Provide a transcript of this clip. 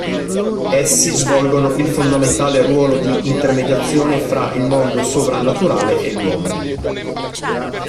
Essi svolgono il fondamentale ruolo di intermediazione fra il mondo sovrannaturale e l'uomo.